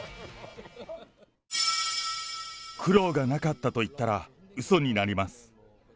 苦労がなかったと言ったら、うそになります。